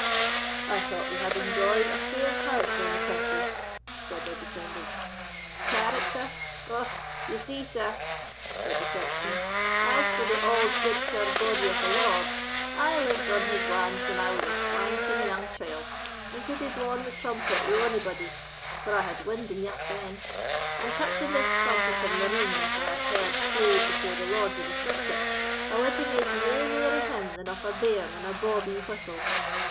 "I thought they had enjoyed a fair character in the country," said their descendant. "Character! Ou, ye see, sir," said the sexton, "as for the auld gudesire body of a lord, I lived on his land when I was a swanking young chield, and could hae blawn the trumpet wi' ony body, for I had wind eneugh then; and touching this trumpeter Marine that I have heard play afore the lords of the circuit, I wad hae made nae mair o' him than of a bairn and a bawbee whistle.